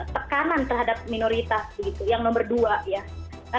tekanan terhadap minoritas yang nomor dua